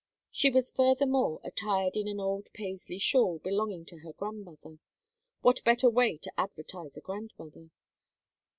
She was furthermore attired in an old Paisley shawl belonging to her grandmother what better way to advertise a grandmother?